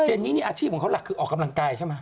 นี้นี่อาชีพของเขาหลักคือออกกำลังกายใช่ไหม